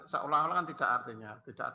seolah olah kan tidak artinya